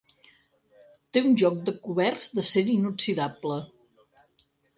Té un joc de coberts d'acer inoxidable.